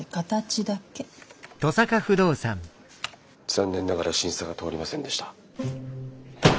残念ながら審査が通りませんでした。